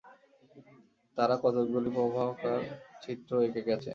তাঁরা কতকগুলি প্রবাহকার-চিত্র এঁকে গেছেন।